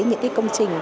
những công trình này